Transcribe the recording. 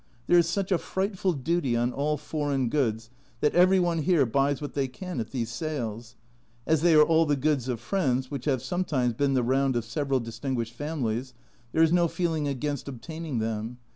There is such a frightful duty on all foreign goods that every one here buys what they can at these sales ; as they are all the goods of friends, which have sometimes been the round of several distinguished families, there is no feeling against obtaining them.